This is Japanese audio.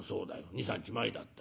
２３日前だった。